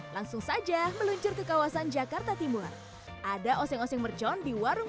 langsung saja meluncur ke kawasan jakarta timur ada oseng oseng mercon di warung